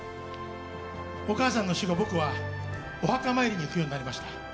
お母さんの死後、僕はお墓参りに行くようになりました。